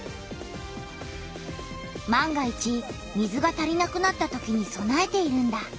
万が一水が足りなくなったときにそなえているんだ。